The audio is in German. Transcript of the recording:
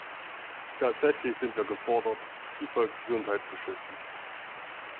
Tatsächlich sind wir gefordert, die Volksgesundheit zu schützen.